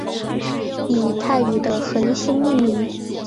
以泰语的恒星命名。